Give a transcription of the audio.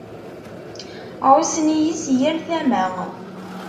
Ɛussen-iyi si yal tama.